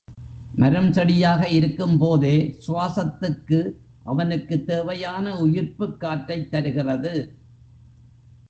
மரம், செடியாக இருக்கும்போதே சுவாசத்துக்கு அவனுக்குத் தேவையான உயிர்ப்புக் காற்றைத் தருகிறது.